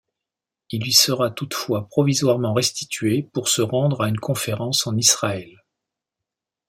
Il lui sera toutefois provisoirement restitué pour se rendre à une conférence en Israël.